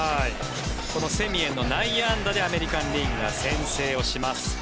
このセミエンの内野安打でアメリカン・リーグが先制をします。